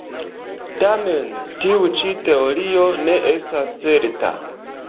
Tamen tiu ĉi teorio ne estas certa.